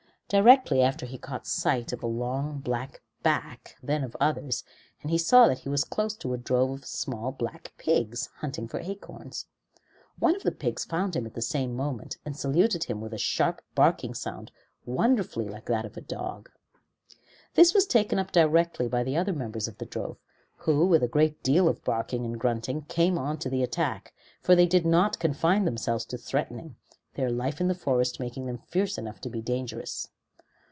Directly after he caught sight of a long black back, then of others, and he saw that he was close to a drove of small black pigs, hunting for acorns. One of the pigs found him at the same moment and saluted him with a sharp, barking sound wonderfully like that of a dog. This was taken up directly by the other members of the drove, who with a great deal of barking and grunting came on to the attack, for they did not confine themselves to threatening, their life in the forest making them fierce enough to be dangerous.